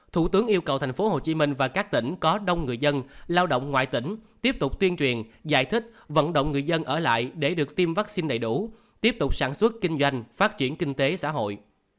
thủ tướng yêu cầu thành phố hồ chí minh và các tỉnh có đông người dân lao động ngoại tỉnh tiếp tục tuyên truyền giải thích vận động người dân ở lại để được tiêm vaccine đầy đủ tiếp tục sản xuất kinh doanh phát triển kinh tế xã hội